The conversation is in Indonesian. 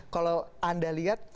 kalau anda lihat